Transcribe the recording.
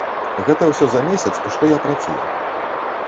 Гэта ўсё за месяц, што я працую.